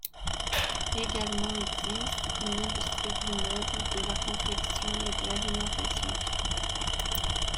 Également existent une industrie du meuble, de la confection et de l'alimentation.